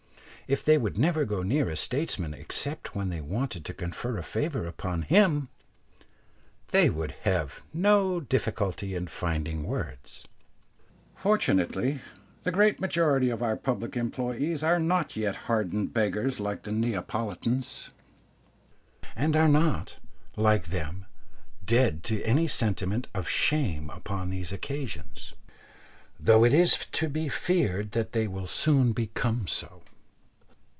If they would never go near a statesman except when they wanted to confer a favour upon him, they would have no difficulty in finding words. Fortunately the great majority of our public employés are not yet hardened beggars like the Neapolitans, and are not, like them, dead to any sentiment of shame upon these occasions, though it is to be feared that they will soon become so.